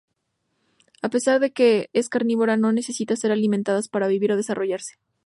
A pesar de que es carnívora, no necesitan ser alimentadas para vivir o desarrollarse.